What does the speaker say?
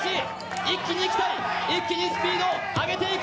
一気にいきたい、一気にスピードを上げていく。